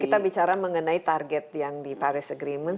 kita bicara mengenai target yang di paris agreement